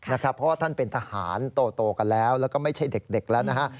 เพราะว่าท่านเป็นทหารโตกันแล้วแล้วก็ไม่ใช่เด็กแล้วนะฮะ